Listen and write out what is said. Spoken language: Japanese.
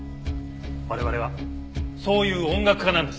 我々はそういう音楽家なんです。